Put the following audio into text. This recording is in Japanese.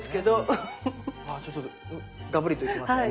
うわちょっとガブリといきますね。